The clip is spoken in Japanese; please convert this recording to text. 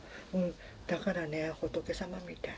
だからね仏様みたい。